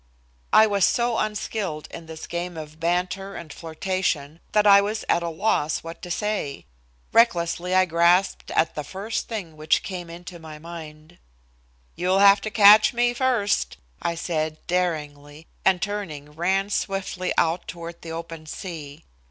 I was so unskilled in this game of banter and flirtation that I was at a loss what to say. Recklessly I grasped at the first thing which came into my mind. "You'll have to catch me first," I said, daringly, and turning, ran swiftly out toward the open sea.